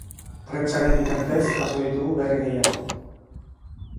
Prentsaren bitartez jaso ditugu berri gehiago.